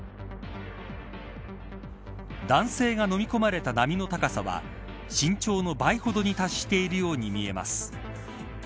男性が飲み込まれた波の高さは身長の倍ほどに達しているように見えます。